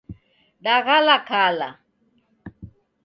Daghala kala